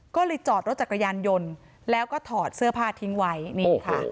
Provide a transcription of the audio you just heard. ก็เลยจอดรถจักรยานยนต์แล้วก็ถอดเสื้อผ้าทิ้งไว้นี่ค่ะ